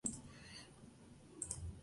Louis, Jacksonville, Orlando y Houston.